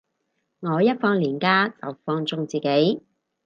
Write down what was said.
我一放連假就放縱自己